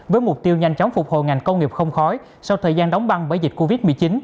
với mục tiêu nhanh chóng phục hồi ngành công nghiệp không khói sau thời gian đóng băng bởi dịch covid một mươi chín